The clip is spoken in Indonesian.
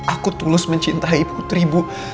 aku tulus mencintai putri bu